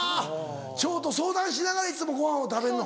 腸と相談しながらいつもごはんを食べんの。